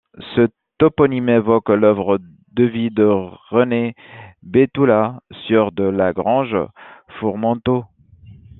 Ce toponyme évoque l’œuvre de vie de René Béthoulat, sieur de la Grange-Formanteau.